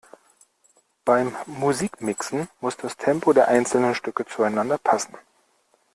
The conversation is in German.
Beim Musikmixen muss das Tempo der einzelnen Stücke zueinander passen.